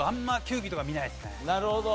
なるほど。